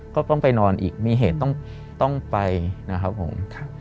ก็ต้องไปนอนอีกมีเหตุต้องไปนะครับผม